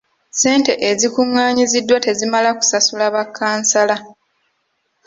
Ssente ezikungaanyiziddwa tezimala kusasula ba kkansala.